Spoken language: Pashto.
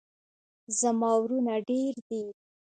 زما ورونه ډیر دي